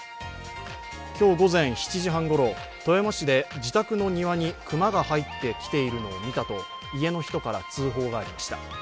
今日午前７時半ごろ、富山市で自宅の庭に熊が入ってきているのを見たと家の人から通報がありました。